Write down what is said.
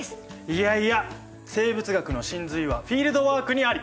いやいや生物学の神髄はフィールドワークにあり！